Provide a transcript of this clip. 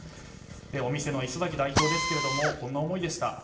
お店の磯崎代表はこんな思いでした。